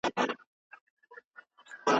نجونې به په بازارونو کې تر سهار پورې پاتې کېدې.